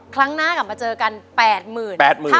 ครั้งหน้ากลับมาเจอกันแปดหมื่น